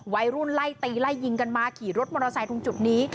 วัยรุ่นไล่ตีไล่ยิงกันมาขี่รถมอเตอร์ไซค์ตรงจุดนี้